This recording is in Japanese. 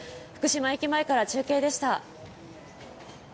福島駅前から中継でした。